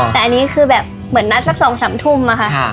แต่อันนี้คือแบบเหมือนนัดสัก๒๓ทุ่มอะค่ะ